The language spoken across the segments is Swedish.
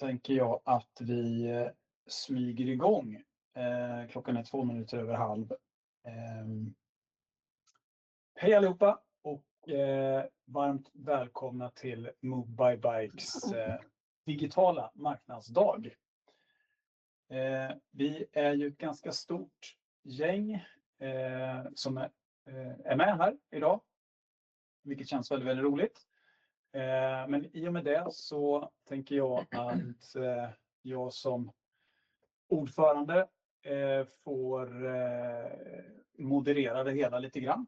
Tänker jag att vi smyger igång. Klockan är två minuter över halv. Hej allihopa och varmt välkomna till MoveByBikes digitala marknadsdag. Vi är ju ett ganska stort gäng som är med här idag, vilket känns väldigt, väldigt roligt. Men i och med det så tänker jag att jag som ordförande får moderera det hela lite grann,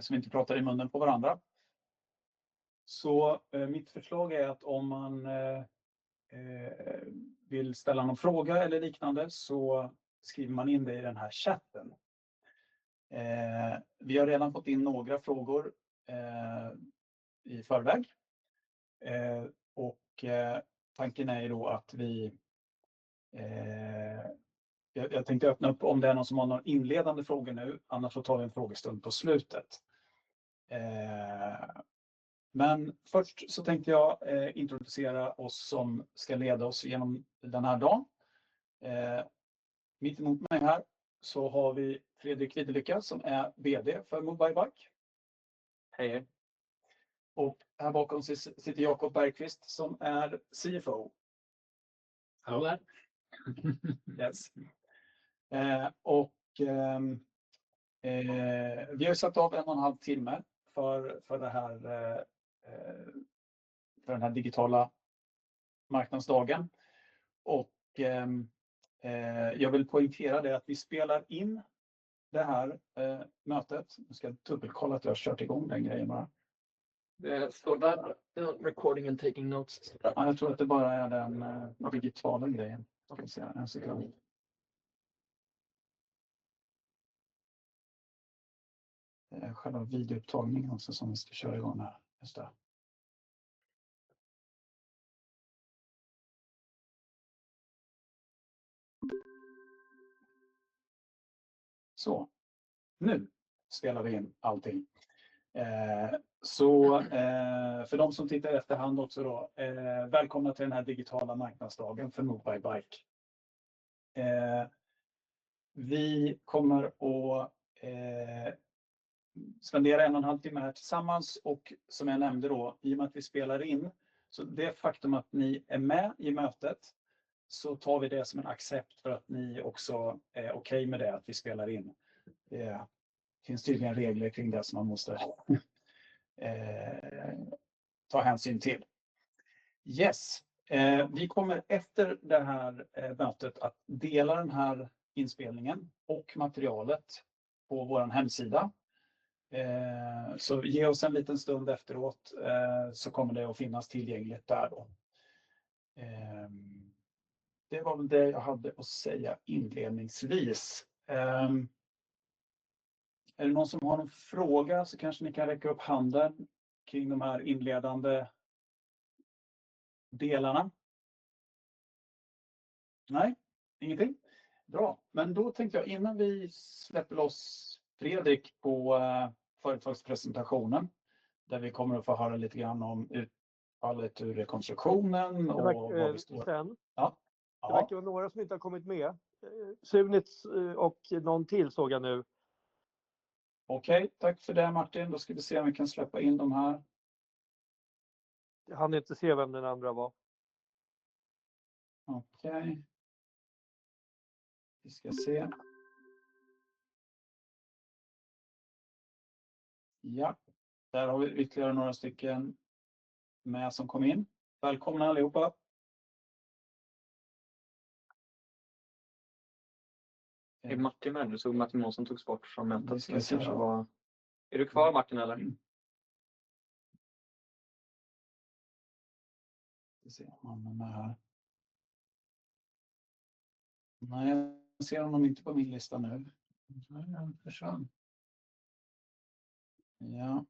så vi inte pratar i munnen på varandra. Så mitt förslag är att om man vill ställa någon fråga eller liknande så skriver man in det i den här chatten. Vi har redan fått in några frågor i förväg. Tanken är ju då att vi, jag tänkte öppna upp om det är någon som har någon inledande fråga nu, annars så tar vi en frågestund på slutet. Men först så tänkte jag introducera oss som ska leda oss genom den här dagen. Mitt emot mig här så har vi Fredrik Widelycka som är VD för MoveByBike. Hej hej. Och här bakom sitter Jakob Bergqvist som är CFO. Hallå där. Ja, och vi har ju satt av en och en halv timme för det här, för den här digitala marknadsdagen. Och jag vill poängtera det att vi spelar in det här mötet. Nu ska jag dubbelkolla att jag har kört igång den grejen bara. Det står där. Recording and taking notes. Ja, jag tror att det bara är den digitala grejen. Ska vi se här en sekund, själva videoupptagningen som vi ska köra igång här. Just det. Nu spelar vi in allting. För de som tittar i efterhand också då, välkomna till den här digitala marknadsdagen för MoveByBike. Vi kommer att spendera en och en halv timme här tillsammans och som jag nämnde då, i och med att vi spelar in, så det faktum att ni är med i mötet så tar vi det som en accept för att ni också är okej med det att vi spelar in. Finns tydliga regler kring det som man måste ta hänsyn till. Yes, vi kommer efter det här mötet att dela den här inspelningen och materialet på vår hemsida. Ge oss en liten stund efteråt så kommer det att finnas tillgängligt där då. Det var väl det jag hade att säga inledningsvis. Är det någon som har någon fråga så kanske ni kan räcka upp handen kring de här inledande delarna? Nej, ingenting? Bra, men då tänkte jag innan vi släpper loss Fredrik på företagspresentationen där vi kommer att få höra lite grann om utfallet, hur rekonstruktionen och vad vi står på. Ja, det verkar vara några som inte har kommit med. Sunits och någon till såg jag nu. Okej, tack för det Martin. Då ska vi se om vi kan släppa in de här. Jag hann inte se vem den andra var. Okej, vi ska se. Ja, där har vi ytterligare några stycken med som kom in. Välkomna allihopa. Det är Martin här nu. Jag såg Martin Månsson togs bort från mötet. Är du kvar Martin eller? Ska se om han är med här. Nej, jag ser honom inte på min lista nu. Nej, han försvann. Ja.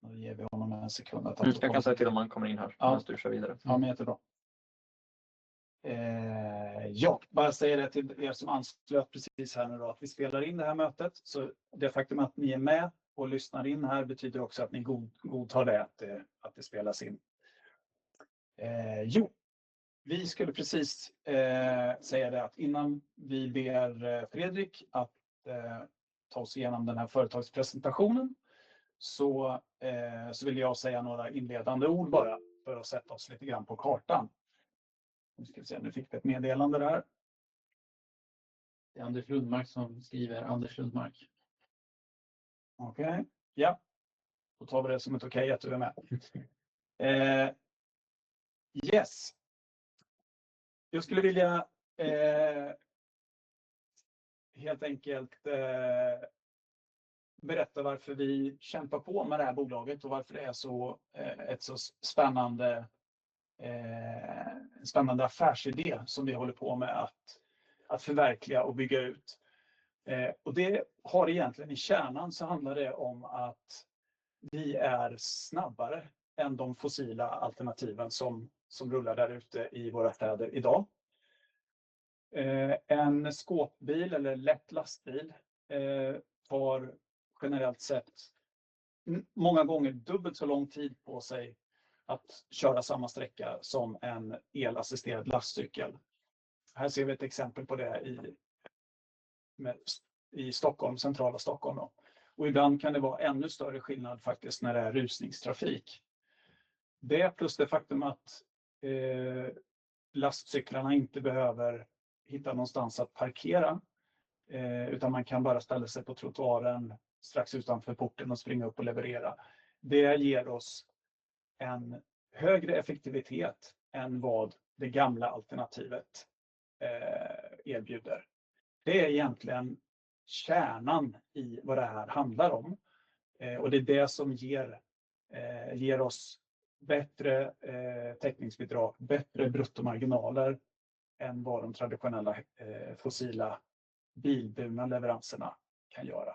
Då ger vi honom en sekund att ta frågor. Nu ska jag kunna säga till om han kommer in här medan du kör vidare. Ja, men jättebra. Ja, bara säger det till som anslöt precis här nu då att vi spelar in det här mötet så det faktum att ni är med och lyssnar in här betyder också att ni godtar det att det spelas in. Jo, vi skulle precis säga det att innan vi ber Fredrik att ta oss igenom den här företagspresentationen så vill jag säga några inledande ord bara för att sätta oss lite grann på kartan. Nu ska vi se, nu fick vi ett meddelande där. Det är Anders Lundmark som skriver. Anders Lundmark. Okej, ja, då tar vi det som ett okej att du är med. Ja, jag skulle vilja helt enkelt berätta varför vi kämpar på med det här bolaget och varför det är en så spännande affärsidé som vi håller på att förverkliga och bygga ut. Det har egentligen i kärnan så handlar det om att vi är snabbare än de fossila alternativen som rullar där ute i våra städer idag. En skåpbil eller lätt lastbil tar generellt sett många gånger dubbelt så lång tid på sig att köra samma sträcka som en elassisterad lastcykel. Här ser vi ett exempel på det i Stockholm, centrala Stockholm då, och ibland kan det vara ännu större skillnad faktiskt när det är rusningstrafik. Det är plus det faktum att lastcyklarna inte behöver hitta någonstans att parkera utan man kan bara ställa sig på trottoaren strax utanför porten och springa upp och leverera. Det ger oss en högre effektivitet än vad det gamla alternativet erbjuder. Det är egentligen kärnan i vad det här handlar om och det är det som ger oss bättre täckningsbidrag, bättre bruttomarginaler än vad de traditionella fossila bilburna leveranserna kan göra.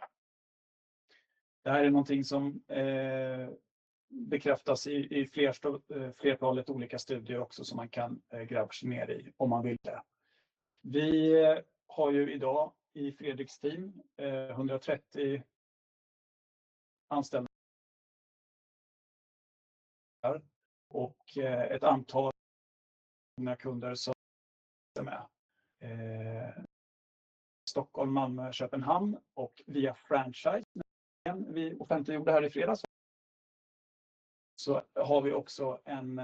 Det här är någonting som bekräftas i flertalet olika studier också som man kan gräva sig ner i om man vill det. Vi har ju idag i Fredriks team 130 anställda här och ett antal kunder som är med. Stockholm, Malmö, Köpenhamn och via franchise nämligen vi offentliggjorde här i fredags så har vi också en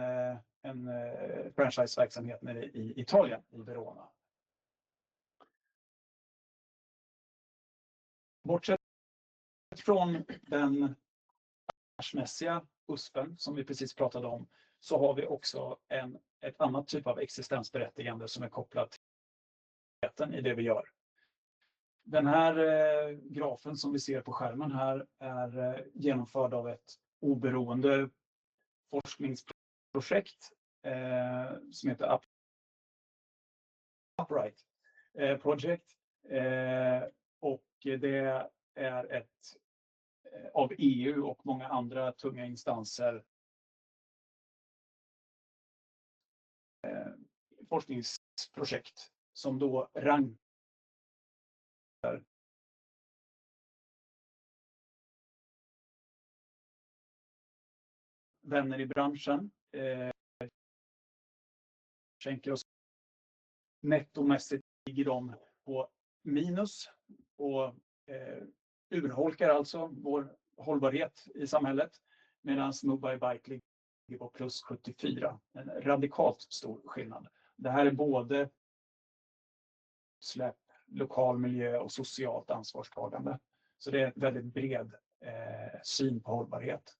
franchiseverksamhet nere i Italien i Verona. Bortsett från den affärsmässiga aspekten som vi precis pratade om så har vi också en annan typ av existensberättigande som är kopplat till det vi gör. Den här grafen som vi ser på skärmen här är genomförd av ett oberoende forskningsprojekt som heter Upright Project och det är ett av EU och många andra tunga instansers forskningsprojekt som då rangordnar företag i branschen. Konkurrenterna ligger nettomässigt på minus och urholkar alltså vår hållbarhet i samhället medan MoveByBike ligger på plus 74. En radikalt stor skillnad. Det här är både utsläpp, lokal miljö och socialt ansvarstagande så det är en väldigt bred syn på hållbarhet.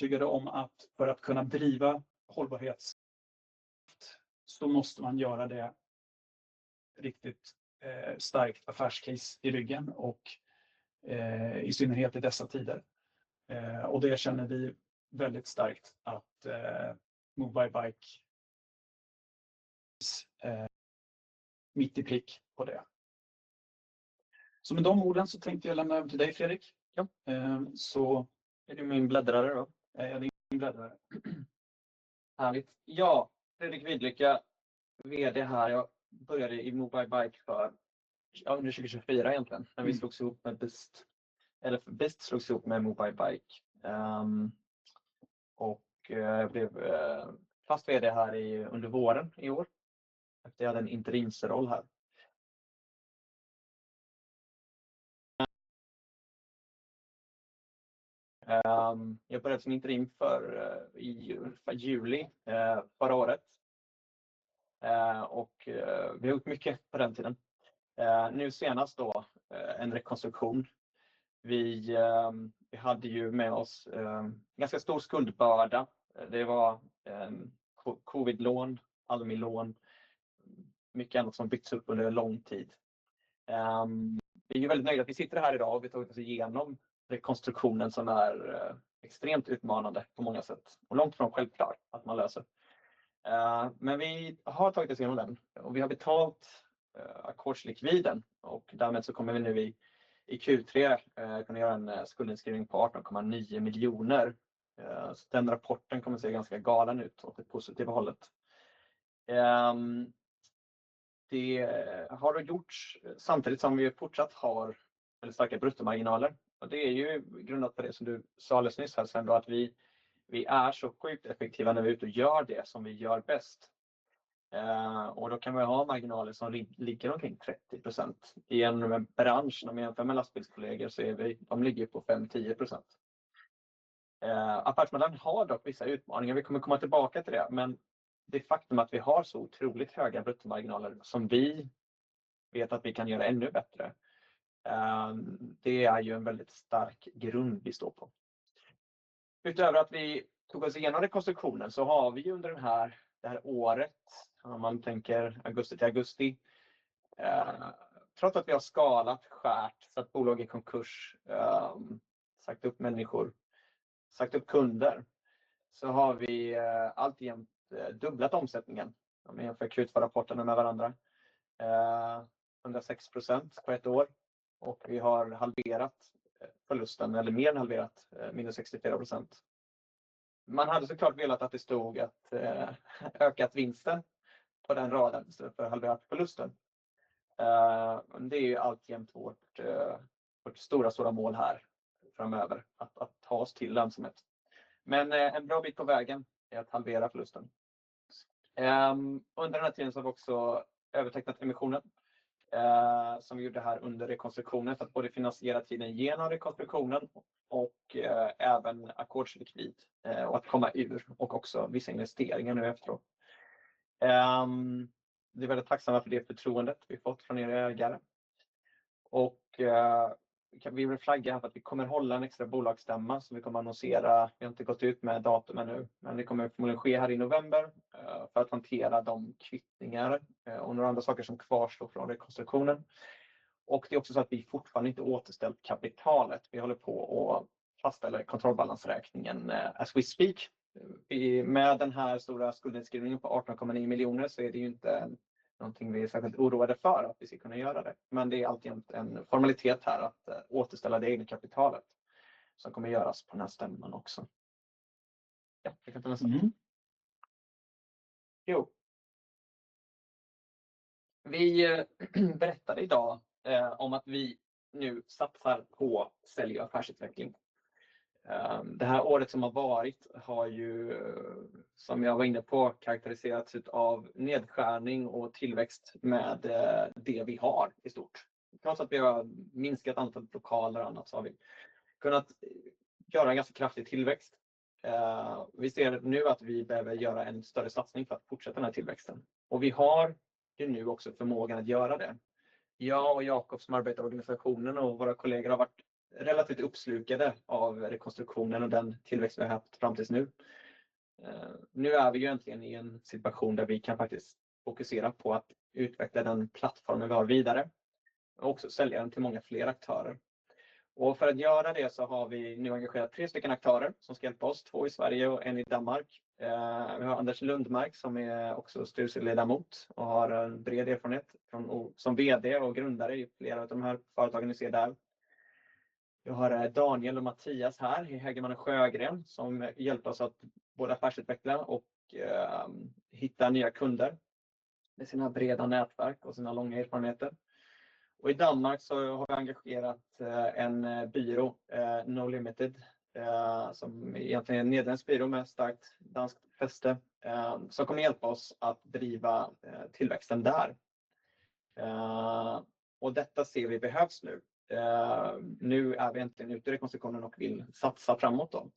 Jag är övertygad om att för att kunna driva hållbarhetskraft så måste man göra det med riktigt starkt affärscase i ryggen och i synnerhet i dessa tider. Och det känner vi väldigt starkt att MoveByBike träffar mitt i prick på det. Så med de orden så tänkte jag lämna över till dig Fredrik. Ja. Så är du min bläddrare då? Jag är din bläddrare. Härligt. Ja, Fredrik Widelycka, VD här. Jag började i MoveByBike för ja, under 2024 egentligen när vi slogs ihop med Bist, eller för Bist slogs ihop med MoveByBike. Jag blev fast VD här under våren i år efter jag hade en interimseroll här. Jag började som interim i juli förra året, och vi har gjort mycket på den tiden. Nu senast då en rekonstruktion. Vi hade ju med oss ganska stor skuldbörda. Det var covidlån, allmänlån, mycket annat som byggts upp under en lång tid. Vi är ju väldigt nöjda att vi sitter här idag och vi har tagit oss igenom rekonstruktionen som är extremt utmanande på många sätt och långt från självklart att man löser. Men vi har tagit oss igenom den och vi har betalt ackordslikviden och därmed så kommer vi nu i Q3 kunna göra en skuldinskrivning på 18,9 miljoner. Så den rapporten kommer se ganska galen ut åt det positiva hållet. Det har då gjorts samtidigt som vi ju fortsatt har väldigt starka bruttomarginaler och det är ju grundat på det som du sa alldeles nyss här sen då att vi är så sjukt effektiva när vi är ute och gör det som vi gör bäst. Och då kan vi ha marginaler som ligger omkring 30% i en bransch när man jämför med lastbilskollegor så är vi de ligger ju på 5-10%. Affärsmodellen har dock vissa utmaningar. Vi kommer komma tillbaka till det, men det faktum att vi har så otroligt höga bruttomarginaler som vi vet att vi kan göra ännu bättre. Det är ju en väldigt stark grund vi står på. Utöver att vi tog oss igenom rekonstruktionen så har vi ju under det här året, om man tänker augusti till augusti, trots att vi har skalat ner så att bolaget är konkurs, sagt upp människor, sagt upp kunder, så har vi alltjämt dubblat omsättningen om vi jämför Q2-rapporterna med varandra. 106% på ett år och vi har halverat förlusten eller mer än halverat, minus 64%. Man hade såklart velat att det stod att ökat vinsten på den raden för halverat förlusten, men det är ju alltjämt vårt stora mål här framöver att ta oss till lönsamhet. Men en bra bit på vägen är att halvera förlusten. Under den här tiden så har vi också övertecknat emissionen som vi gjorde här under rekonstruktionen för att både finansiera tiden genom rekonstruktionen och även ackordslikvid och att komma ur och också vissa investeringar nu efteråt. Vi är väldigt tacksamma för det förtroendet vi har fått från ägare och vi vill flagga här för att vi kommer hålla en extra bolagsstämma som vi kommer annonsera. Vi har inte gått ut med datum ännu, men det kommer förmodligen ske här i november för att hantera de kvittningar och några andra saker som kvarstår från rekonstruktionen. Det är också så att vi fortfarande inte återställt kapitalet. Vi håller på och fastställer kontrollbalansräkningen as we speak. Vi med den här stora skuldinskrivningen på 18,9 miljoner så är det ju inte någonting vi är särskilt oroade för att vi ska kunna göra det, men det är alltjämt en formalitet här att återställa det egna kapitalet som kommer göras på den här stämman också. Ja, det kan ta nästa. Jo, vi berättade idag om att vi nu satsar på sälj och affärsutveckling. Det här året som har varit har ju, som jag var inne på, karaktäriserats av nedskärning och tillväxt med det vi har i stort. Trots att vi har minskat antalet lokaler och annat så har vi kunnat göra en ganska kraftig tillväxt. Vi ser nu att vi behöver göra en större satsning för att fortsätta den här tillväxten och vi har ju nu också förmågan att göra det. Jag och Jakob som arbetar i organisationen och våra kollegor har varit relativt uppslukade av rekonstruktionen och den tillväxt vi har haft fram tills nu. Nu är vi ju egentligen i en situation där vi kan faktiskt fokusera på att utveckla den plattformen vi har vidare och också sälja den till många fler aktörer. För att göra det så har vi nu engagerat tre stycken aktörer som ska hjälpa oss, två i Sverige och en i Danmark. Vi har Anders Lundmark som är också styrelseledamot och har en bred erfarenhet från som VD och grundare i flera av de här företagen ni ser där. Vi har Daniel och Mattias här i Hägerman och Sjögren som hjälper oss att både affärsutveckla och hitta nya kunder med sina breda nätverk och sina långa erfarenheter. Och i Danmark så har vi engagerat en byrå, No Limited, som egentligen är en nederländsk byrå med starkt danskt fäste, som kommer hjälpa oss att driva tillväxten där. Detta ser vi behövs nu. Nu är vi egentligen ute i rekonstruktionen och vill satsa framåt då.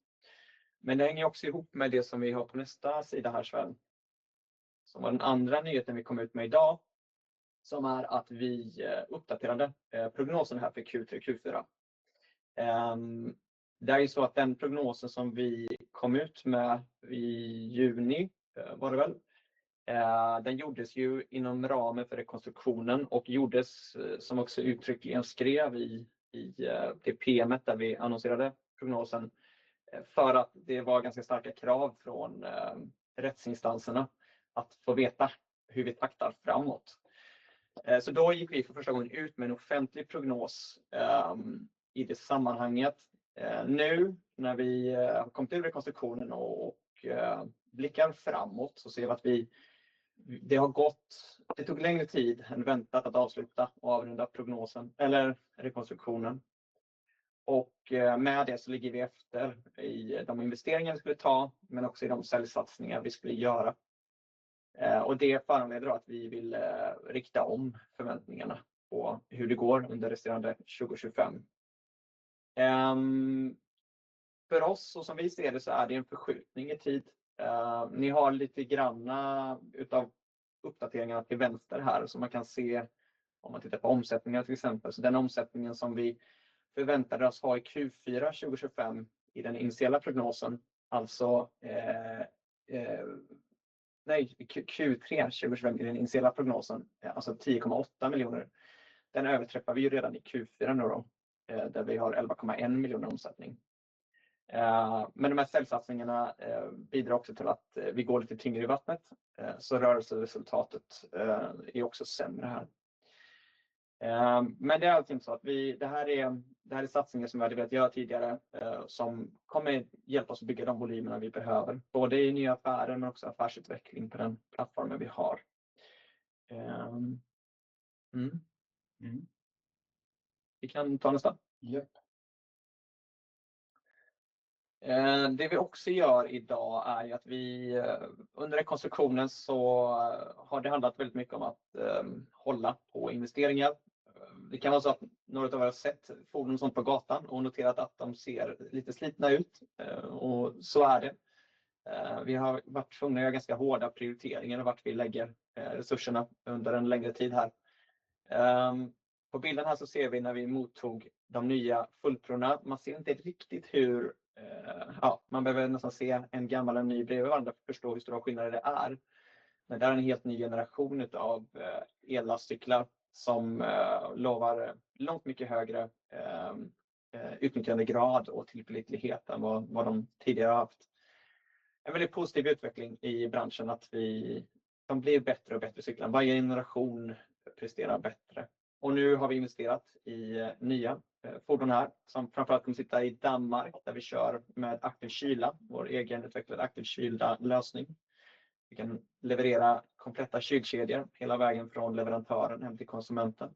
Men det hänger ju också ihop med det som vi har på nästa sida här, som var den andra nyheten vi kom ut med idag, som är att vi uppdaterade prognosen här för Q3 och Q4. Det är ju så att den prognosen som vi kom ut med i juni, var det väl, den gjordes ju inom ramen för rekonstruktionen och gjordes som också uttryckligen skrev i det PM:et där vi annonserade prognosen, för att det var ganska starka krav från rättsinstanserna att få veta hur vi taktar framåt. Så då gick vi för första gången ut med en offentlig prognos i det sammanhanget. Nu när vi har kommit ur rekonstruktionen och blickar framåt så ser vi att det har gått, det tog längre tid än väntat att avsluta och avrunda prognosen eller rekonstruktionen. Med det så ligger vi efter i de investeringar vi skulle ta, men också i de säljsatsningar vi skulle göra. Det föranleder då att vi vill rikta om förväntningarna på hur det går under resterande 2025. För oss och som vi ser det så är det ju en förskjutning i tid. Ni har lite granna utav uppdateringarna till vänster här som man kan se om man tittar på omsättningar till exempel. Så den omsättningen som vi förväntade oss ha i Q4 2025 i den initiala prognosen, alltså nej, Q3 2025 i den initiala prognosen, alltså 10,8 miljoner, den överträffar vi ju redan i Q4 nu då, där vi har 11,1 miljoner omsättning. Men de här säljsatsningarna bidrar också till att vi går lite tyngre i vattnet, så rörelseresultatet är också sämre här. Men det är alltid så att vi, det här är, det här är satsningar som vi hade velat göra tidigare, som kommer hjälpa oss att bygga de volymerna vi behöver, både i nya affärer men också affärsutveckling på den plattformen vi har. Vi kan ta nästa. Japp. Det vi också gör idag är ju att vi under rekonstruktionen så har det handlat väldigt mycket om att hålla på investeringar. Det kan vara så att några utav er har sett fordon och sånt på gatan och noterat att de ser lite slitna ut, och så är det. Vi har varit tvungna att göra ganska hårda prioriteringar och var vi lägger resurserna under en längre tid här. På bilden här så ser vi när vi mottog de nya fullproven. Man ser inte riktigt hur, ja, man behöver nästan se en gammal och en ny bredvid varandra för att förstå hur stora skillnader det är. Men det här är en helt ny generation utav ellastcyklar som lovar långt mycket högre utnyttjandegrad och tillförlitlighet än vad de tidigare har haft. En väldigt positiv utveckling i branschen att de blir bättre och bättre cyklar. Varje generation presterar bättre. Och nu har vi investerat i nya fordon här som framförallt kommer sitta i Danmark där vi kör med aktiv kyla, vår egen utvecklade aktiv kylda lösning. Vi kan leverera kompletta kylkedjor hela vägen från leverantören hem till konsumenten.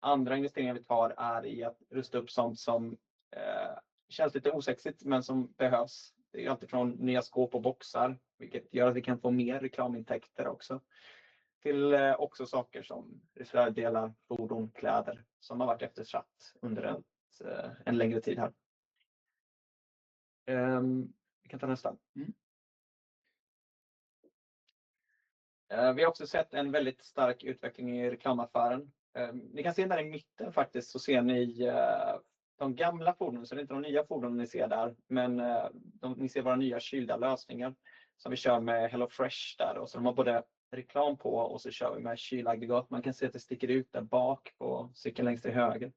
Andra investeringar vi tar är i att rusta upp sådant som känns lite osexigt men som behövs. Det är ju alltid från nya skåp och boxar, vilket gör att vi kan få mer reklamintäkter också till också saker som reservdelar, fordon, kläder som har varit efterfrågat under en längre tid här. Vi kan ta nästa. Vi har också sett en väldigt stark utveckling i reklamaffären. Ni kan se där i mitten faktiskt så ser ni de gamla fordonen. Så det är inte de nya fordonen ni ser där, men de ni ser våra nya kylda lösningar som vi kör med HelloFresh där. Och så har de har både reklam på och så kör vi med kylaggregat. Man kan se att det sticker ut där bak på cykeln längst till höger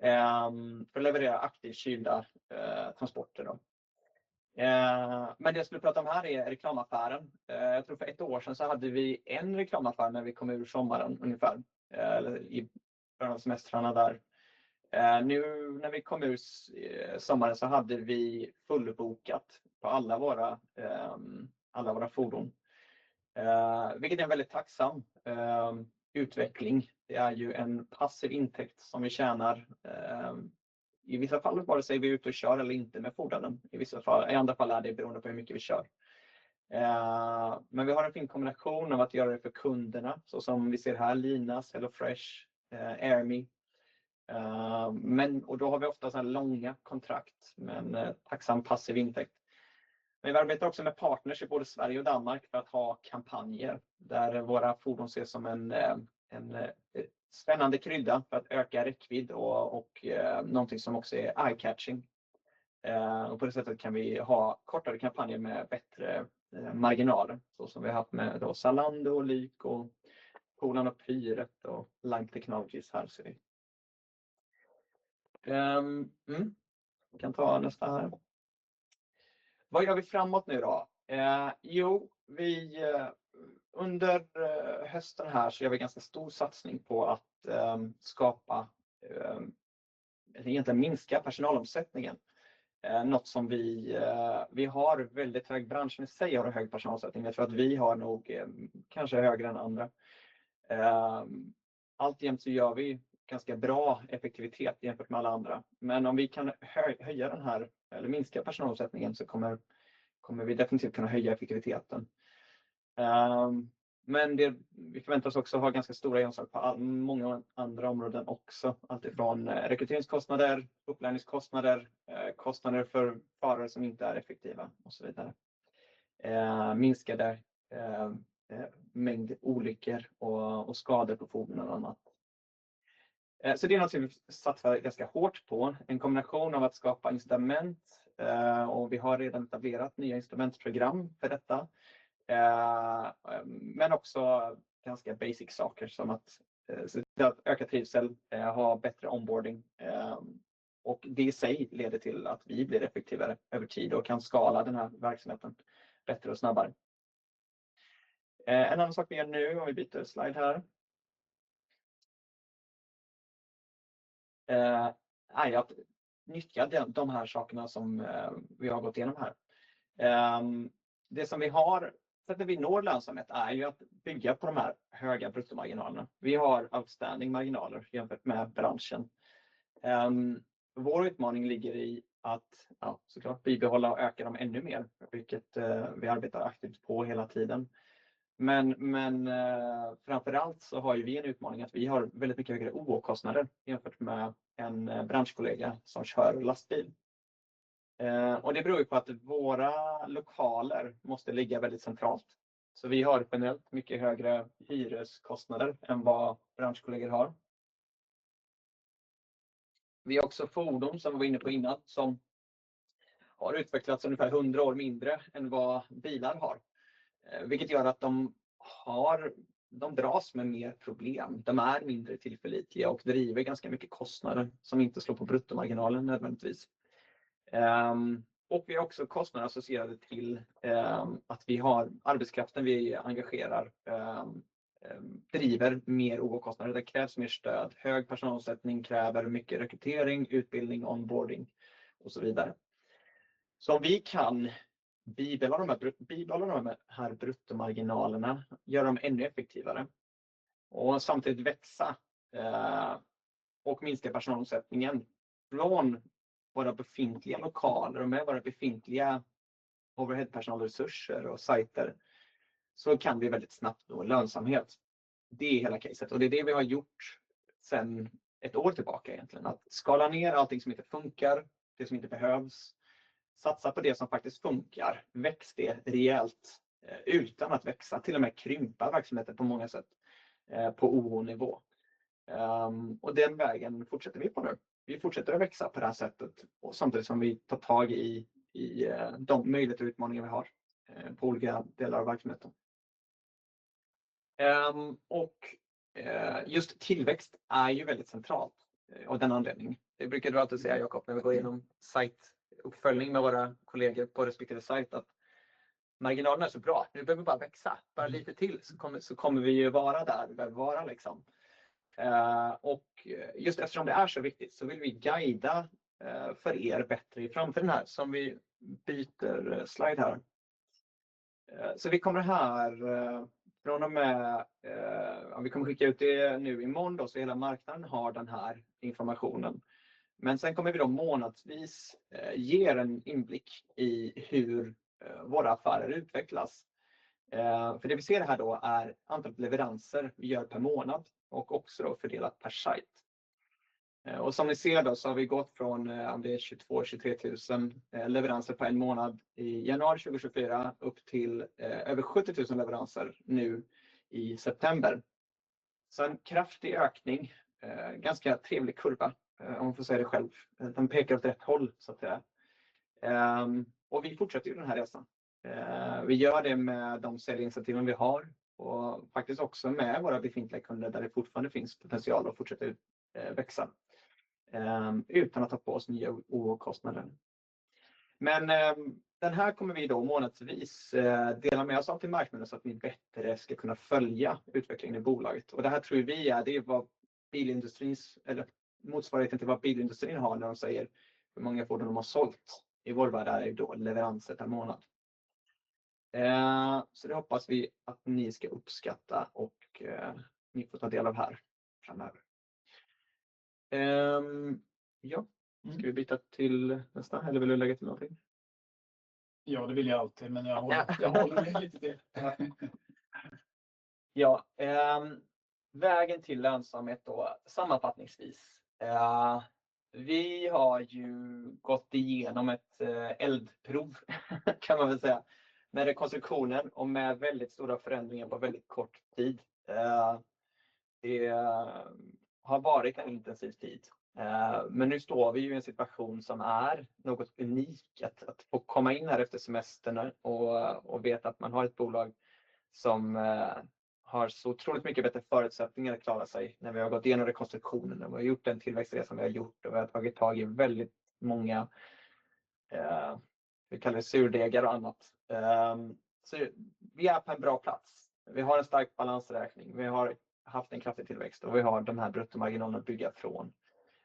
för att leverera aktivt kylda transporter då. Men det jag skulle prata om här är reklamaffären. Jag tror för ett år sedan så hade vi en reklamaffär när vi kom ur sommaren ungefär, eller i början av semestrarna där. Nu när vi kom ur sommaren så hade vi fullbokat på alla våra fordon, vilket är en väldigt tacksam utveckling. Det är ju en passiv intäkt som vi tjänar, i vissa fall bara säger vi är ute och kör eller inte med fordonen. I vissa fall, i andra fall är det beroende på hur mycket vi kör. Men vi har en fin kombination av att göra det för kunderna, så som vi ser här: Linas, HelloFresh, Ermy. Men och då har vi ofta så här långa kontrakt med en tacksam passiv intäkt. Men vi arbetar också med partners i både Sverige och Danmark för att ha kampanjer där våra fordon ses som en spännande krydda för att öka räckvidd och någonting som också är eye-catching. På det sättet kan vi ha kortare kampanjer med bättre marginaler, så som vi har haft med då Zalando och Lyk och Polan och Pyret och Lite Technologies här ser vi. Vi kan ta nästa här. Vad gör vi framåt nu då? Jo, vi under hösten här så gör vi ganska stor satsning på att skapa, eller egentligen minska personalomsättningen. Något som vi, vi har väldigt hög branschen i sig har en hög personalomsättning. Jag tror att vi har nog kanske högre än andra. Alltjämt så gör vi ganska bra effektivitet jämfört med alla andra. Men om vi kan höja den här eller minska personalsättningen så kommer vi definitivt kunna höja effektiviteten. Men det vi förväntar oss också har ganska stora inslag på många andra områden också, alltifrån rekryteringskostnader, upplärningskostnader, kostnader för förare som inte är effektiva och så vidare. Minskade mängd olyckor och skador på fordon och annat. Så det är någonting vi satsar ganska hårt på, en kombination av att skapa incitament, och vi har redan etablerat nya incitamentsprogram för detta. Men också ganska basic saker som att öka trivsel, ha bättre onboarding, och det i sig leder till att vi blir effektivare över tid och kan skala den här verksamheten bättre och snabbare. En annan sak vi gör nu om vi byter slide här är ju att nyttja de här sakerna som vi har gått igenom här. Det som vi har för att när vi når lönsamhet är ju att bygga på de här höga bruttomarginalerna. Vi har outstanding marginaler jämfört med branschen. Vår utmaning ligger i att, ja, såklart bibehålla och öka dem ännu mer, vilket vi arbetar aktivt på hela tiden. Men framförallt så har ju vi en utmaning att vi har väldigt mycket högre OK-kostnader jämfört med en branschkollega som kör lastbil, och det beror ju på att våra lokaler måste ligga väldigt centralt, så vi har generellt mycket högre hyreskostnader än vad branschkollegor har. Vi har också fordon som vi var inne på innan som har utvecklats ungefär 100 år mindre än vad bilar har, vilket gör att de har, de dras med mer problem. De är mindre tillförlitliga och driver ganska mycket kostnader som inte slår på bruttomarginalen nödvändigtvis. Och vi har också kostnader associerade till att vi har arbetskraften vi engagerar, driver mer OK-kostnader. Det krävs mer stöd. Hög personalomsättning kräver mycket rekrytering, utbildning, onboarding och så vidare. Så om vi kan bibehålla de här bruttomarginalerna, göra dem ännu effektivare och samtidigt växa, och minska personalomsättningen från våra befintliga lokaler och med våra befintliga overheadpersonalresurser och sajter, så kan vi väldigt snabbt nå lönsamhet. Det är hela caset och det är det vi har gjort sen ett år tillbaka egentligen, att skala ner allting som inte funkar, det som inte behövs, satsa på det som faktiskt funkar, växt det rejält, utan att växa, till och med krympa verksamheten på många sätt, på overhead-nivå. Och den vägen fortsätter vi på nu. Vi fortsätter att växa på det här sättet och samtidigt som vi tar tag i de möjligheter och utmaningar vi har på olika delar av verksamheten. Tillväxt är ju väldigt centralt av den anledningen. Det brukar du alltid säga, Jakob, när vi går igenom siteuppföljning med våra kollegor på respektive site, att marginalerna är så bra. Nu behöver vi bara växa bara lite till så kommer vi ju vara där vi behöver vara liksom. Just eftersom det är så viktigt så vill vi guida för bättre i framtiden här som vi byter slide här. Vi kommer här från och med, ja, vi kommer skicka ut det nu imorgon då, så hela marknaden har den här informationen. Men sen kommer vi då månadsvis ge en inblick i hur våra affärer utvecklas. För det vi ser här då är antalet leveranser vi gör per månad och också då fördelat per site. Och som ni ser då så har vi gått från, ja, det är 22 000-23 000 leveranser på en månad i januari 2024 upp till över 70 000 leveranser nu i september. Så en kraftig ökning, ganska trevlig kurva, om man får säga det själv. Den pekar åt rätt håll, så att säga. Och vi fortsätter ju den här resan. Vi gör det med de säljinitiativen vi har och faktiskt också med våra befintliga kunder där det fortfarande finns potential att fortsätta växa, utan att ta på oss nya OK-kostnader. Men den här kommer vi då månadsvis dela med oss av till marknaden så att vi bättre ska kunna följa utvecklingen i bolaget. Och det här tror ju vi är, det är vad bilindustrins eller motsvarigheten till vad bilindustrin har när de säger hur många fordon de har sålt i vår värld är ju då leveranser per månad. Så det hoppas vi att ni ska uppskatta och ni får ta del av här framöver. Ja, ska vi byta till nästa eller vill du lägga till någonting? Ja, det vill jag alltid, men jag håller mig lite till. Ja, vägen till lönsamhet då, sammanfattningsvis. Vi har ju gått igenom ett eldprov, kan man väl säga, med rekonstruktionen och med väldigt stora förändringar på väldigt kort tid. Det har varit en intensiv tid. Men nu står vi ju i en situation som är något unikt, att få komma in här efter semestern och veta att man har ett bolag som har så otroligt mycket bättre förutsättningar att klara sig när vi har gått igenom rekonstruktionen och vi har gjort den tillväxtresan vi har gjort och vi har tagit tag i väldigt många, vi kallar det surdegar och annat. Så vi är på en bra plats. Vi har en stark balansräkning, vi har haft en kraftig tillväxt och vi har de här bruttomarginalerna att bygga från.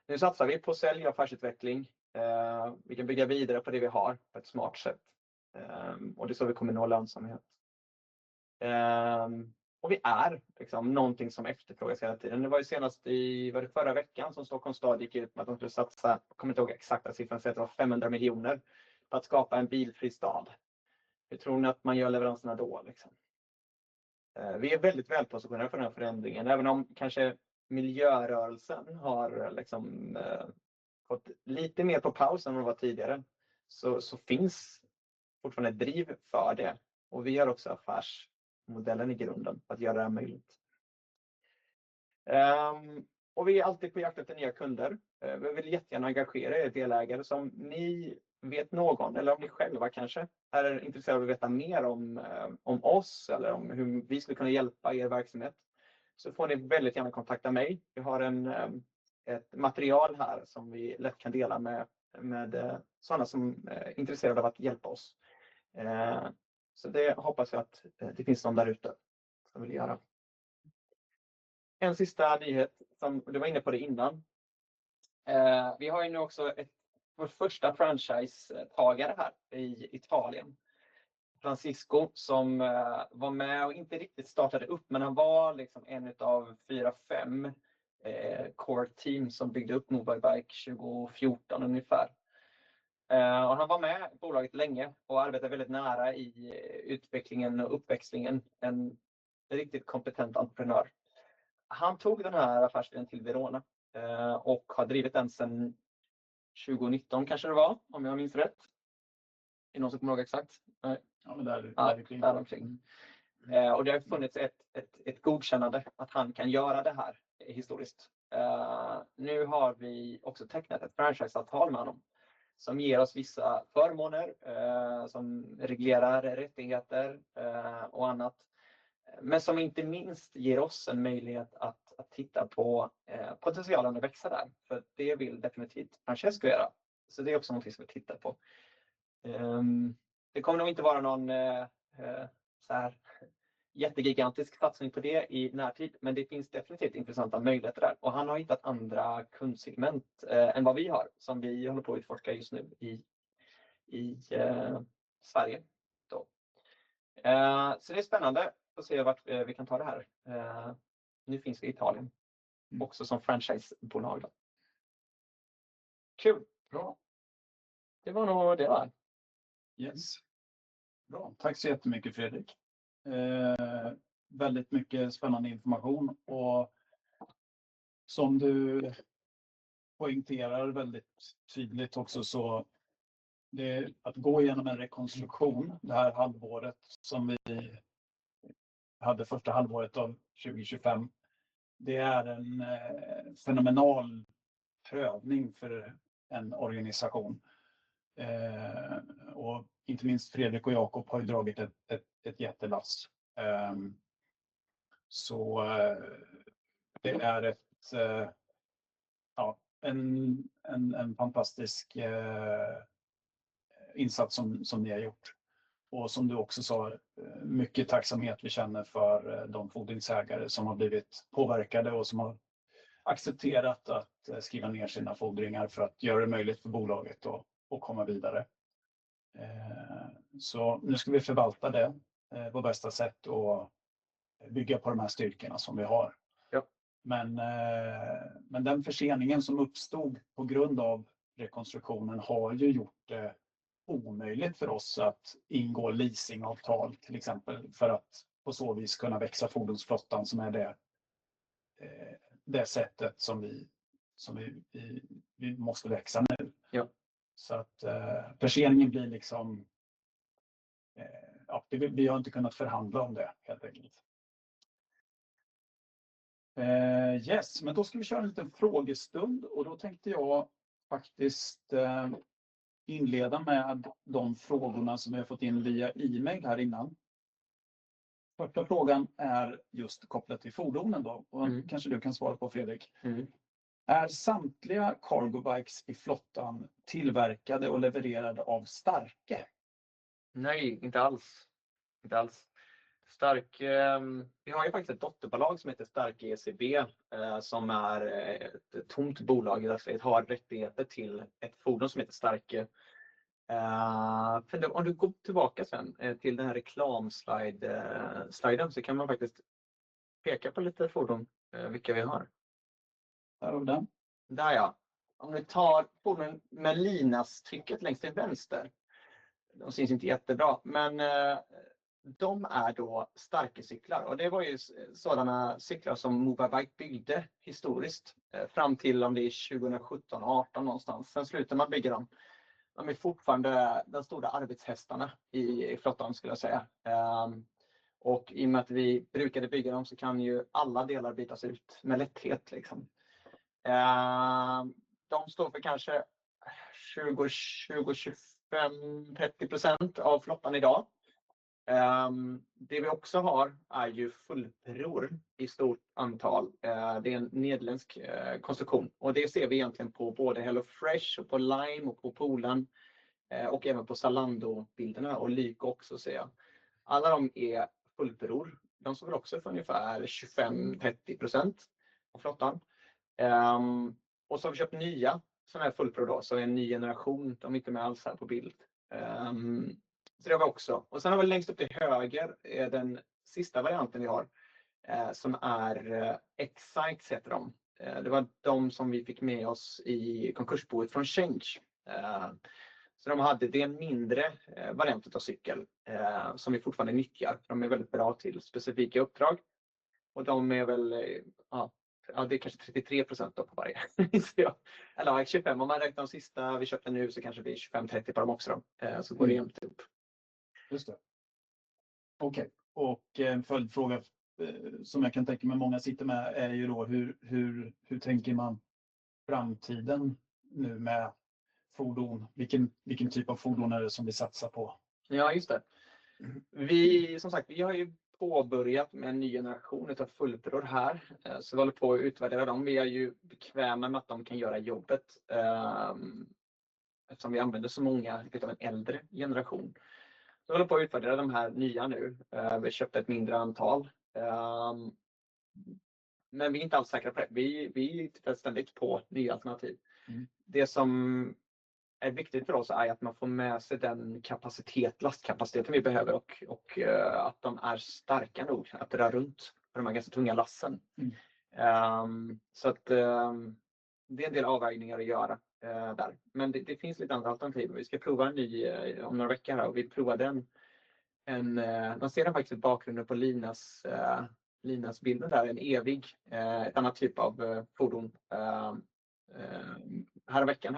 Nu satsar vi på sälj och affärsutveckling. Vi kan bygga vidare på det vi har på ett smart sätt. Det är så vi kommer nå lönsamhet. Vi är liksom någonting som efterfrågas hela tiden. Det var ju senast i, var det förra veckan som Stockholms stad gick ut med att de skulle satsa, kommer inte ihåg exakta siffran, säga att det var 500 miljoner på att skapa en bilfri stad. Hur tror ni att man gör leveranserna då? Vi är väldigt väl positionerade för den här förändringen, även om kanske miljörörelsen har fått lite mer på paus än vad den var tidigare, så finns fortfarande driv för det. Vi har också affärsmodellen i grunden för att göra det här möjligt. Vi är alltid på jakt efter nya kunder. Vi vill jättegärna engagera delägare. Om ni vet någon, eller om ni själva kanske är intresserade av att veta mer om oss eller om hur vi skulle kunna hjälpa verksamhet, så får ni väldigt gärna kontakta mig. Vi har ett material här som vi lätt kan dela med sådana som är intresserade av att hjälpa oss, så det hoppas jag att det finns någon där ute som vill göra. En sista nyhet som du var inne på det innan. Vi har ju nu också vår första franchisetagare här i Italien, Francisco, som var med och inte riktigt startade upp, men han var liksom en utav fyra, fem, core team som byggde upp MobileBike 2014 ungefär. Han var med i bolaget länge och arbetade väldigt nära i utvecklingen och uppväxlingen. En riktigt kompetent entreprenör. Han tog den här affärsidén till Verona, och har drivit den sen 2019, kanske det var, om jag minns rätt. Är det någon som kommer ihåg exakt? Nej, ja, men där, där omkring. Det har ju funnits ett godkännande att han kan göra det här historiskt. Nu har vi också tecknat ett franchiseavtal med honom som ger oss vissa förmåner, som reglerar rättigheter och annat. Men som inte minst ger oss en möjlighet att titta på potentialen att växa där, för det vill definitivt Francesco göra. Så det är också någonting som vi tittar på. Det kommer nog inte vara någon så här jättegigantisk satsning på det i närtid, men det finns definitivt intressanta möjligheter där. Han har hittat andra kundsegment än vad vi har, som vi håller på att utforska just nu i Sverige då. Så det är spännande att se vart vi kan ta det här. Nu finns vi i Italien också som franchisebolag då. Kul. Bra. Det var nog det var här. Yes. Bra. Tack så jättemycket, Fredrik. Väldigt mycket spännande information och som du poängterar väldigt tydligt också, så det är att gå igenom en rekonstruktion det här halvåret. Som vi hade första halvåret av 2025. Det är en fenomenal prövning för en organisation, och inte minst Fredrik och Jakob har ju dragit ett jättelass. Det är en fantastisk insats som ni har gjort. Och som du också sa, mycket tacksamhet vi känner för de fordringsägare som har blivit påverkade och som har accepterat att skriva ner sina fordringar för att göra det möjligt för bolaget att komma vidare. Nu ska vi förvalta det på bästa sätt och bygga på de här styrkorna som vi har. Men den försening som uppstod på grund av rekonstruktionen har ju gjort det omöjligt för oss att ingå leasingavtal, till exempel, för att på så vis kunna växa fordonsflottan som är det sättet som vi måste växa nu. Ja. Så att förseningen blir liksom, ja, det vi har inte kunnat förhandla om det helt enkelt. Yes. Men då ska vi köra en liten frågestund och då tänkte jag faktiskt inleda med de frågorna som vi har fått in via email här innan. Första frågan är just kopplat till fordonen då och kanske du kan svara på, Fredrik. Är samtliga CargoBikes i flottan tillverkade och levererade av Starke? Nej, inte alls. Inte alls. Starke, vi har ju faktiskt ett dotterbolag som heter Starke ECB, som är ett tomt bolag i dagsläget, har rättigheter till ett fordon som heter Starke. För om du går tillbaka sen till den här reklamsliden, så kan man faktiskt peka på lite fordon, vilka vi har. Här har vi den. Där, ja. Om vi tar fordonen med linastycket längst till vänster. De syns inte jättebra, men de är då Starke-cyklar och det var ju sådana cyklar som MobileBike byggde historiskt, fram till om det är 2017-18 någonstans. Sen slutar man bygga dem. De är fortfarande den stora arbetshästarna i flottan skulle jag säga. Och i och med att vi brukade bygga dem så kan ju alla delar bytas ut med lätthet, liksom. De står för kanske 20-25-30% av flottan idag. Det vi också har är ju fullperor i stort antal. Det är en nederländsk konstruktion och det ser vi egentligen på både HelloFresh och på Lime och på Polan, och även på Zalando-bilderna och Lyko också, ser jag. Alla de är fullperor. De står väl också för ungefär 25-30% av flottan. Och så har vi köpt nya sådana här fullperor då, som är en ny generation. De är inte med alls här på bild. Så det har vi också. Och sen har vi längst upp till höger, den sista varianten vi har, som är X-Sight, heter de. Det var de som vi fick med oss i konkursboet från Change. Så de hade det mindre varianten av cykel, som vi fortfarande nyttjar. De är väldigt bra till specifika uppdrag och de är väl, ja, det är kanske 33% då på varje. Så jag, eller ja, 25% om man räknar de sista. Vi köpte en ny hus, så kanske vi är 25-30% på dem också då. Så går det jämnt ihop. Just det. Okej. Och en följdfråga, som jag kan tänka mig många sitter med är ju då, hur tänker man framtiden nu med fordon? Vilken typ av fordon är det som vi satsar på? Ja, just det. Vi som sagt, vi har ju påbörjat med en ny generation av fullperor här. Så vi håller på att utvärdera dem. Vi är ju bekväma med att de kan göra jobbet, eftersom vi använder så många av en äldre generation. Så vi håller på att utvärdera de här nya nu. Vi köpte ett mindre antal. Men vi är inte alls säkra på det. Vi tittar ständigt på nya alternativ. Det som är viktigt för oss är ju att man får med sig den kapacitet, lastkapaciteten vi behöver och att de är starka nog att dra runt på de här ganska tunga lassen. Det är en del avvägningar att göra där. Men det finns lite andra alternativ. Vi ska prova en ny om några veckor här och vi provar den, man ser den faktiskt i bakgrunden på Linas bilder där. En annan typ av fordon här i veckan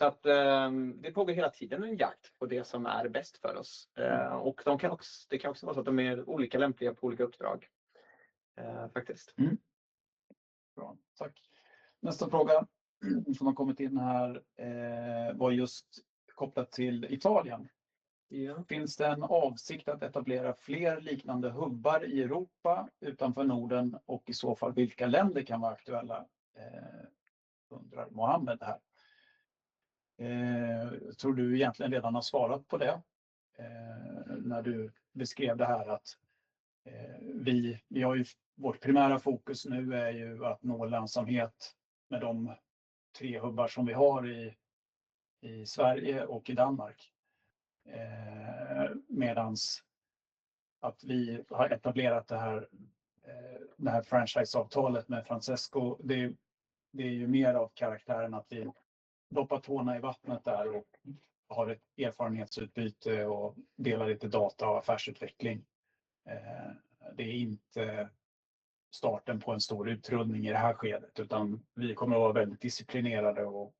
här. Vi pågår hela tiden i en jakt på det som är bäst för oss, och de kan också, det kan också vara så att de är olika lämpliga på olika uppdrag, faktiskt. Bra. Tack. Nästa fråga som har kommit in här var just kopplat till Italien. Finns det en avsikt att etablera fler liknande hubbar i Europa utanför Norden och i så fall vilka länder kan vara aktuella? undrar Mohammed här. Tror du egentligen redan har svarat på det, när du beskrev det här att vi har ju vårt primära fokus nu är ju att nå lönsamhet med de tre hubbar som vi har i Sverige och i Danmark. Medan att vi har etablerat det här franchiseavtalet med Francesco, det är ju mer av karaktären att vi doppar tårna i vattnet där och har ett erfarenhetsutbyte och delar lite data och affärsutveckling. Det är inte starten på en stor utrullning i det här skedet, utan vi kommer att vara väldigt disciplinerade och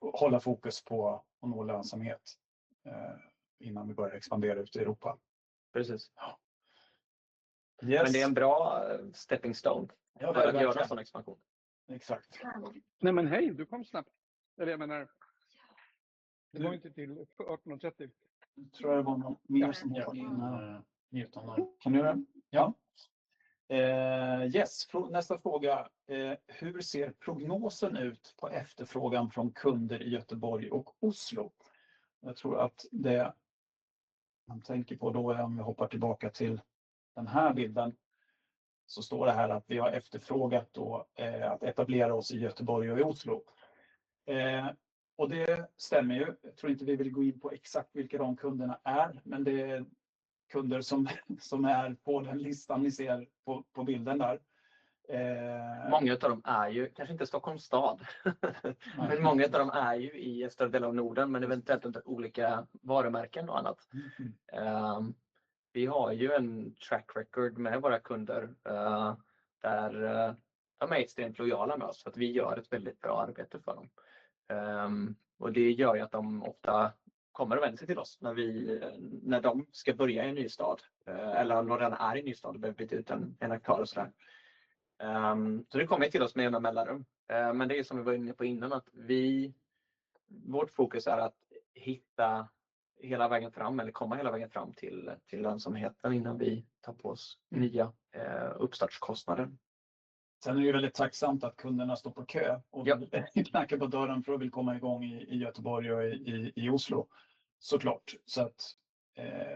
hålla fokus på att nå lönsamhet, innan vi börjar expandera ut i Europa. Precis. Ja. Men det är en bra stepping stone för att göra en sådan expansion. Exakt. Du kom snabbt. Eller jag menar, det var ju inte till 18:30. Tror jag det var något mer som var inne här. Kan du göra det? Ja. Nästa fråga: hur ser prognosen ut på efterfrågan från kunder i Göteborg och Oslo? Jag tror att det man tänker på då, om vi hoppar tillbaka till den här bilden, så står det här att vi har efterfrågat då att etablera oss i Göteborg och i Oslo, och det stämmer ju. Jag tror inte vi vill gå in på exakt vilka de kunderna är, men det är kunder som är på den listan ni ser på bilden där. Många utav dem är ju kanske inte Stockholms stad, men många utav dem är ju i större delen av Norden, men eventuellt under olika varumärken och annat. Vi har ju en track record med våra kunder, där de är extremt lojala med oss för att vi gör ett väldigt bra arbete för dem. Och det gör ju att de ofta kommer och vänder sig till oss när de ska börja i en ny stad, eller när den är i en ny stad och behöver byta ut en aktör och så där. Så det kommer ju till oss med jämna mellanrum. Men det är ju som vi var inne på innan att vi, vårt fokus är att hitta hela vägen fram eller komma hela vägen fram till lönsamheten innan vi tar på oss nya uppstartskostnader. Sen är det ju väldigt tacksamt att kunderna står på kö och knackar på dörren för att vill komma igång i Göteborg och i Oslo. Såklart. Så att,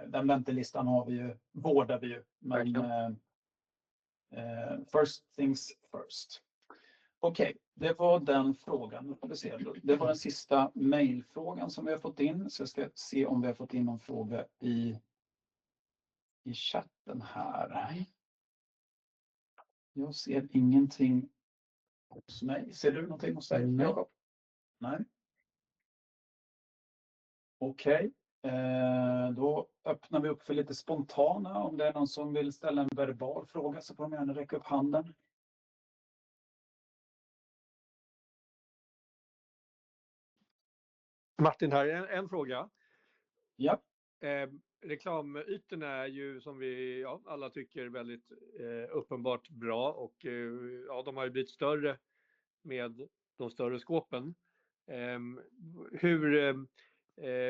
den väntelistan har vi ju, vårdar vi ju. Men, first things first. Okej, det var den frågan. Nu ska vi se. Det var den sista mailfrågan som vi har fått in. Så jag ska se om vi har fått in någon fråga i chatten här. Jag ser ingenting hos mig. Ser du någonting hos dig, Jakob? Nej. Okej, då öppnar vi upp för lite spontana. Om det är någon som vill ställa en verbal fråga så får de gärna räcka upp handen. Martin här. En fråga. Ja. Reklamytorna är ju som vi, ja, alla tycker väldigt uppenbart bra. De har ju blivit större med de större skåpen. Hur,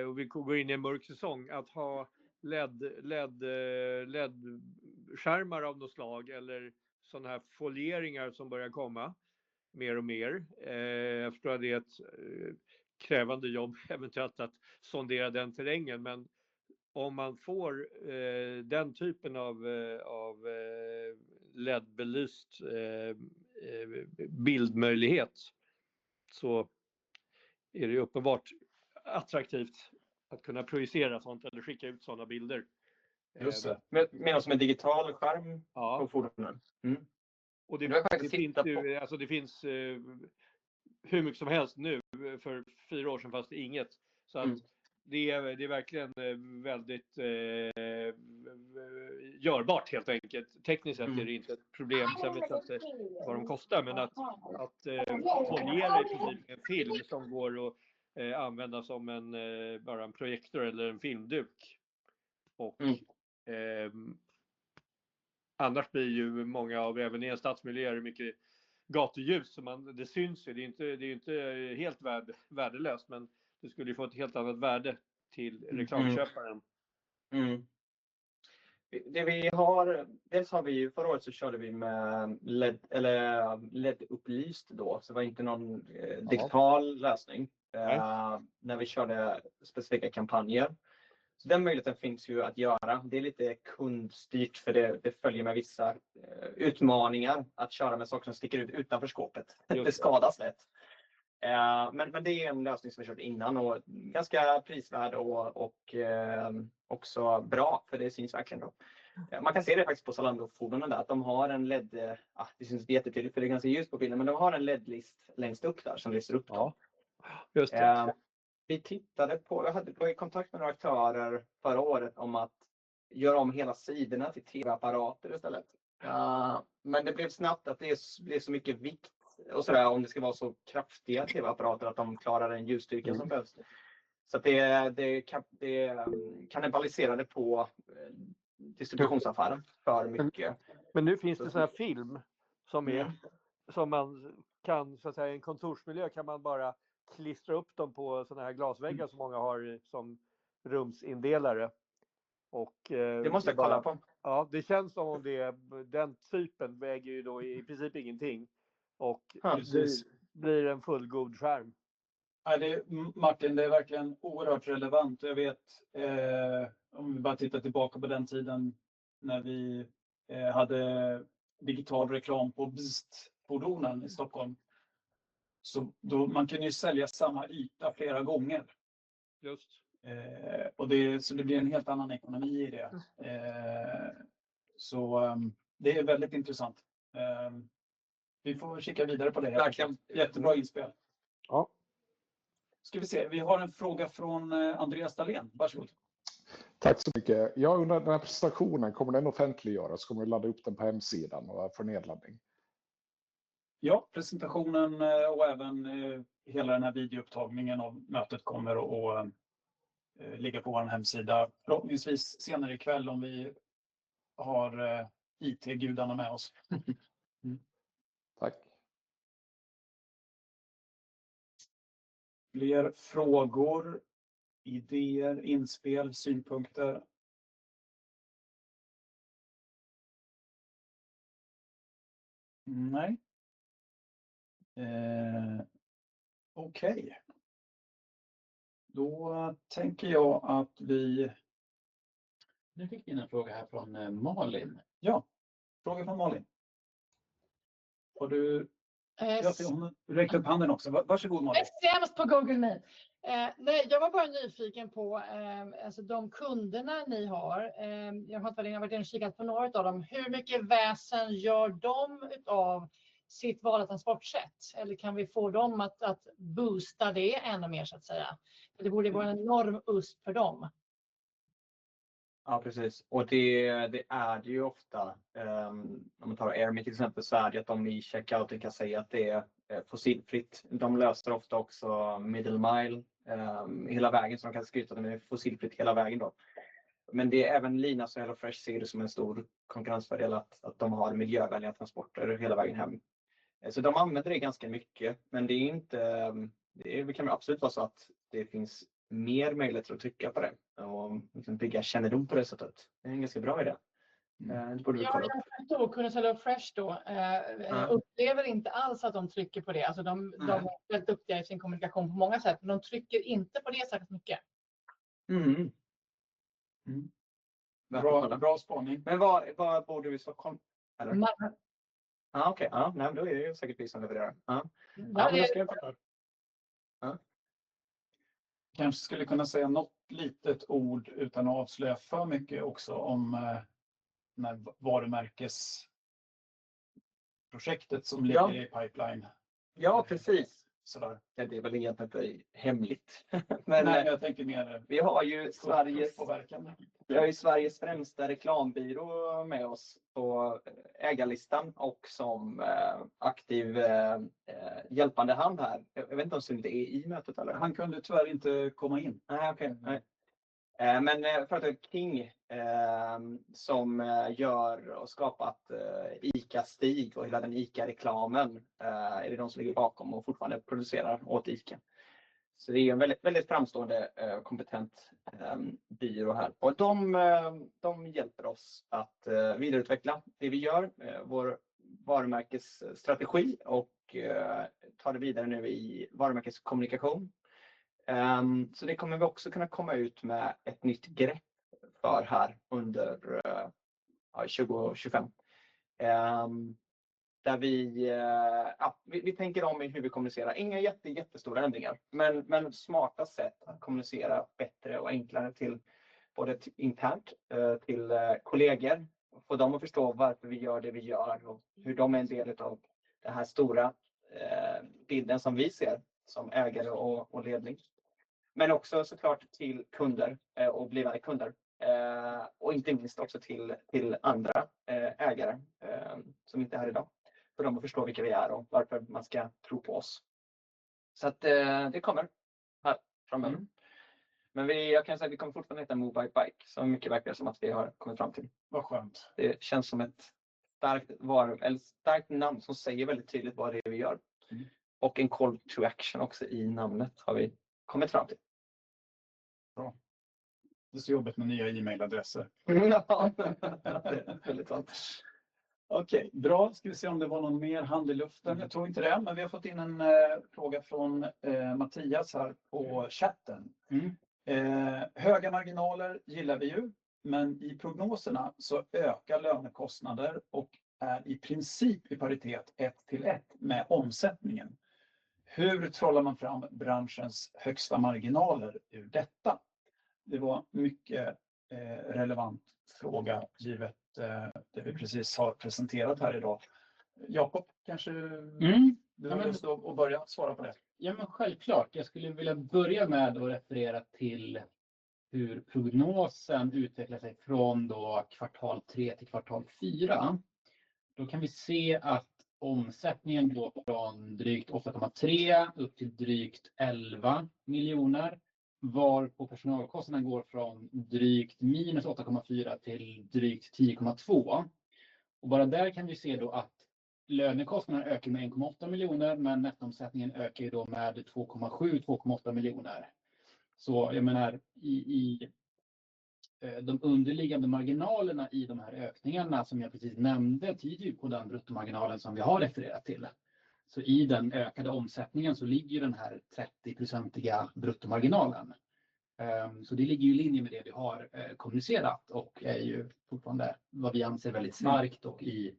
och vi går in i en mörk säsong. Att ha LED-skärmar av något slag eller sådana här folieringar som börjar komma mer och mer. Jag förstår att det är ett krävande jobb eventuellt att sondera den terrängen. Men om man får den typen av LED-belyst bildmöjlighet så är det ju uppenbart attraktivt att kunna projicera sånt eller skicka ut sådana bilder. Just det. Med någon som är digital skärm på fordonen. Det är faktiskt inte att, alltså det finns hur mycket som helst nu. För fyra år sedan fanns det inget. Det är verkligen väldigt görbart helt enkelt. Tekniskt sett är det inte ett problem, särskilt vad de kostar. Men att få ner det i princip i en film som går att använda som en bara en projektor eller en filmduk. Annars blir ju många av, även i en stadsmiljö, är det mycket gatuljus som man, det syns ju. Det är ju inte helt värdelöst. Men det skulle ju få ett helt annat värde till reklamköparen. Det vi har, dels har vi ju förra året så körde vi med LED, eller LED-upplyst då. Det var inte någon digital lösning när vi körde specifika kampanjer. Så den möjligheten finns ju att göra. Det är lite kundstyrt för det, det följer med vissa utmaningar att köra med saker som sticker ut utanför skåpet. Det skadas lätt. Men det är ju en lösning som vi har kört innan och ganska prisvärd och också bra. För det syns verkligen då. Man kan se det faktiskt på Zalando-fordonen där. Att de har en LED, ja, det syns inte jättetydligt för det är ganska ljust på bilden. Men de har en LED-list längst upp där som lyser upp då. Ja, just det. Vi tittade på, jag hade, var i kontakt med några aktörer förra året om att göra om hela sidorna till TV-apparater istället. Men det blev snabbt att det blir så mycket vikt och så där om det ska vara så kraftiga TV-apparater att de klarar den ljusstyrkan som behövs. Så att det, det kannibaliserade på distributionsaffären för mycket. Men nu finns det sådana här filmer som är, som man kan, så att säga, i en kontorsmiljö kan man bara klistra upp dem på sådana här glasväggar som många har som rumsindelar. Det måste jag kolla på. Ja, det känns som om det är, den typen väger ju då i princip ingenting. Det blir en fullgod skärm. Nej, det är Martin, det är verkligen oerhört relevant. Jag vet, om vi bara tittar tillbaka på den tiden när vi hade digital reklam på Beast-fordonen i Stockholm. Då man kunde ju sälja samma yta flera gånger. Just. Det blir en helt annan ekonomi i det. Det är väldigt intressant. Vi får kika vidare på det. Verkligen jättebra inspel. Ja. Vi har en fråga från Andreas Dahlén. Varsågod. Tack så mycket. Jag undrar, den här presentationen, kommer den offentliggöras? Kommer vi ladda upp den på hemsidan och för nedladdning? Ja, presentationen och även hela den här videoupptagningen av mötet kommer att ligga på vår hemsida. Förhoppningsvis senare ikväll om vi har IT-gudarna med oss. Tack. Fler frågor, idéer, inspel, synpunkter? Okej. Då tänker jag att vi... Nu fick vi in en fråga här från Malin. Fråga från Malin. Har du... Jag ser honom räcka upp handen också. Varsågod, Malin. Sämst på Google Meet. Jag var bara nyfiken på, alltså de kunderna ni har. Jag har inte varit inne och kikat på något av dem. Hur mycket väsen gör de av sitt vardagliga transportsätt? Eller kan vi få dem att boosta det ännu mer, så att säga? För det borde ju vara en enorm USP för dem. Ja, precis. Det är det ju ofta. Om man tar Airmeet till exempel, så är det att de i checkouten kan säga att det är fossilfritt. De löser ofta också middle mile, hela vägen. Så de kan skryta med fossilfritt hela vägen då. Men det är även Lina och HelloFresh ser det som en stor konkurrensfördel att de har miljövänliga transporter hela vägen hem. Så de använder det ganska mycket. Men det är inte, det kan absolut vara så att det finns mer möjligheter att trycka på det. Och liksom bygga kännedom på det sättet. Det är en ganska bra idé. Det borde vi kolla på. Jag har en fråga till HelloFresh då. Upplever inte alls att de trycker på det. Alltså, de är väldigt duktiga i sin kommunikation på många sätt. Men de trycker inte på det särskilt mycket. Bra, bra spaning. Men vad, vad borde vi i Stockholm? Ja, okej. Ja, nej, men då är det ju säkert vi som levererar. Ja, det ska jag förklara. Ja. Kanske skulle kunna säga något litet ord utan att avslöja för mycket också om den här varumärkesprojektet som ligger i pipeline. Ja, precis. Så där. Det är väl egentligen inte hemligt. Men jag tänker mer det. Vi har ju Sveriges främsta reklambyrå med oss på ägarlistan. Och som aktiv, hjälpande hand här. Jag vet inte om det är i mötet eller. Han kunde tyvärr inte komma in. Nej, okej. Nej. Men för att det är King, som gör och skapat ICA Stig och hela den ICA-reklamen. Är det de som ligger bakom och fortfarande producerar åt ICA? Så det är ju en väldigt, väldigt framstående, kompetent byrå här. Och de hjälper oss att vidareutveckla det vi gör, vår varumärkesstrategi. Och ta det vidare nu i varumärkeskommunikation. Så det kommer vi också kunna komma ut med ett nytt grepp för här under 2025, där vi tänker om i hur vi kommunicerar. Inga jättestora ändringar, men smarta sätt att kommunicera bättre och enklare till både internt, till kollegor. Få dem att förstå varför vi gör det vi gör och hur de är en del av den här stora bilden som vi ser som ägare och ledning. Men också såklart till kunder och blivande kunder, och inte minst också till andra ägare som inte är här idag, för dem att förstå vilka vi är och varför man ska tro på oss. Det kommer här framöver. Men jag kan säga att vi kommer fortfarande heta MoveByBike, som mycket verkar som att vi har kommit fram till. Vad skönt. Det känns som ett starkt varumärke. Eller starkt namn som säger väldigt tydligt vad det är vi gör. Och en call to action också i namnet har vi kommit fram till. Bra. Det är så jobbigt med nya e-mailadresser. Ja, det är väldigt sant. Okej, bra. Ska vi se om det var någon mer hand i luften? Jag tror inte det. Men vi har fått in en fråga från Mattias här på chatten. Höga marginaler gillar vi ju. Men i prognoserna så ökar lönekostnader. Och är i princip i paritet ett till ett med omsättningen. Hur trollar man fram branschens högsta marginaler ur detta? Det var mycket relevant fråga givet det vi precis har presenterat här idag. Jakob, kanske du vill stå och börja svara på det? Ja, men självklart. Jag skulle vilja börja med att referera till hur prognosen utvecklar sig från kvartal tre till kvartal fyra. Då kan vi se att omsättningen går från drygt 8,3 upp till drygt 11 miljoner. Varpå personalkostnaderna går från drygt minus 8,4 till drygt 10,2. Bara där kan vi se då att lönekostnaderna ökar med 1,8 miljoner. Men nettoomsättningen ökar ju då med 2,7-2,8 miljoner. Jag menar, i de underliggande marginalerna i de här ökningarna som jag precis nämnde tyder ju på den bruttomarginalen som vi har refererat till. I den ökade omsättningen så ligger ju den här 30%-iga bruttomarginalen. Det ligger ju i linje med det vi har kommunicerat och är ju fortfarande vad vi anser väldigt starkt. I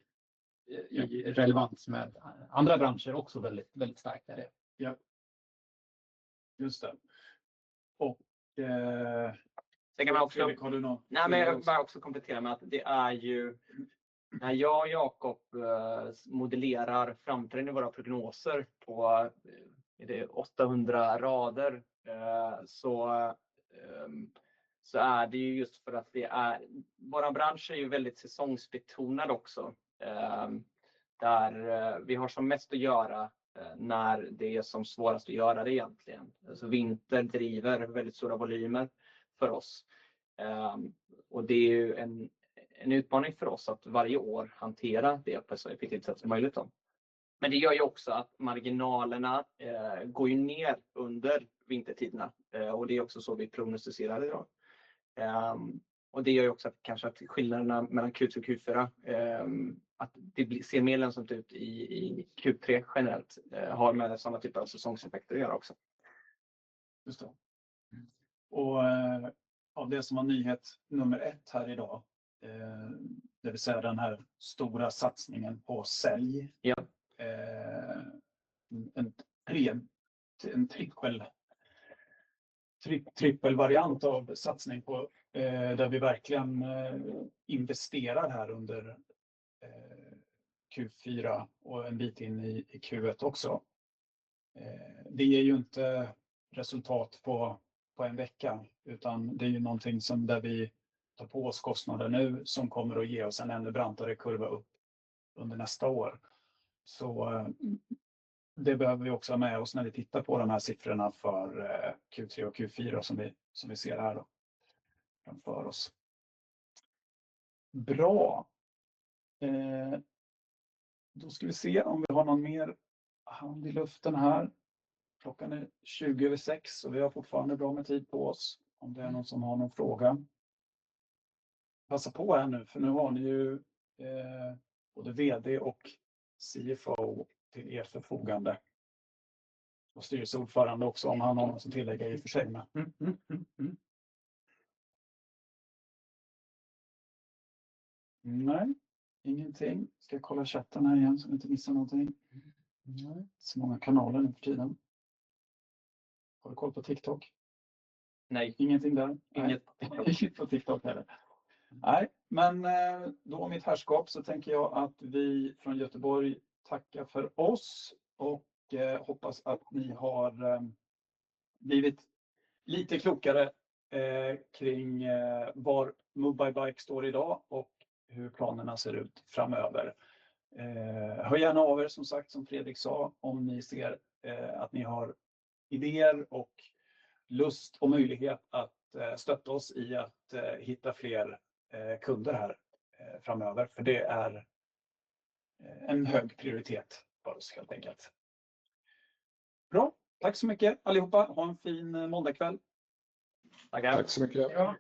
relevans med andra branscher också väldigt, väldigt starkt är det. Just det. Det kan man också... Men jag vill bara också komplettera med att det är ju... När jag och Jakob modellerar framträdande i våra prognoser på, är det 800 rader. Det är ju just för att det är... Vår bransch är ju väldigt säsongsbetonad också, där vi har som mest att göra när det är som svårast att göra det egentligen. Vinter driver väldigt stora volymer för oss, och det är ju en utmaning för oss att varje år hantera det på ett så effektivt sätt som möjligt då. Men det gör ju också att marginalerna går ju ner under vintertiderna, och det är också så vi prognostiserar idag. Det gör ju också att kanske skillnaderna mellan Q2 och Q4, att det ser mer lönsamt ut i Q3 generellt, har med samma typ av säsongseffekter att göra också. Just det. Ja, det som var nyhet nummer ett här idag, det vill säga den här stora satsningen på sälj. Ja, en tre, en trippel variant av satsning på där vi verkligen investerar här under Q4 och en bit in i Q1 också. Det ger ju inte resultat på en vecka, utan det är ju någonting som där vi tar på oss kostnader nu som kommer att ge oss en ännu brantare kurva upp under nästa år. Så det behöver vi också ha med oss när vi tittar på de här siffrorna för Q3 och Q4 som vi ser här framför oss. Bra. Då ska vi se om vi har någon mer hand i luften här. Klockan är 20 över 6 och vi har fortfarande bra med tid på oss. Om det är någon som har någon fråga, passa på här nu för nu har ni ju både VD och CFO till förfogande. Och styrelseordförande också om han har något att tillägga i och för sig med. Nej, ingenting. Ska jag kolla chatten här igen så jag inte missar någonting? Nej, så många kanaler nu för tiden. Har du koll på TikTok? Nej. Ingenting där. Inget på TikTok heller. Nej, men då och mitt herrskap så tänker jag att vi från Göteborg tackar för oss. Och hoppas att ni har blivit lite klokare kring var MoveByBike står idag. Och hur planerna ser ut framöver. Hör gärna av som sagt som Fredrik sa. Om ni ser att ni har idéer och lust och möjlighet att stötta oss i att hitta fler kunder här framöver. För det är en hög prioritet för oss helt enkelt. Bra, tack så mycket allihopa. Ha en fin måndagkväll. Tackar. Tack så mycket.